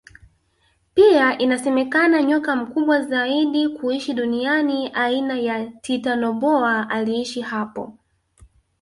Pia inasemekana nyoka mkubwa zaidi kuishi duniani aina ya titanoboa aliishi hapo